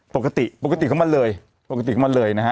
ปกติปกติเข้ามาเลยปกติเข้ามาเลยนะฮะ